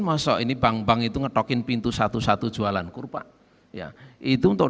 masuk ini bank bank itu ngetokin pintu satu satu jualan kurpa ya itu untuk